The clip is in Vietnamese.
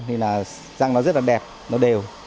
thì là răng nó rất là đẹp nó đều